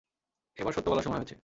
এবার সত্য বলার সময় হয়েছে।